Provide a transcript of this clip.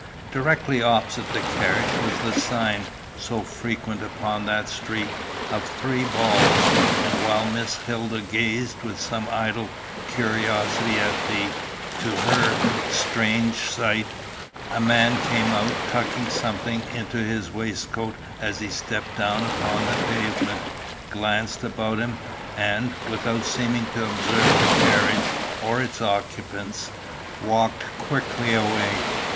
Directly opposite the carriage was the sign, so frequent upon that street, of three balls, and while Miss Hilda gazed with some idle curiosity at the, to her, strange sight, a man came out tucking something into his waistcoat as he stepped down upon the pavement, glanced about him, and, without seeming to observe the carriage, or its occupants, walked quickly away.